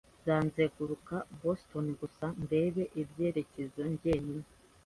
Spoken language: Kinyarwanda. Nzazenguruka Boston gusa ndebe ibyerekezo njyenyine